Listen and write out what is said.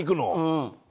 うん。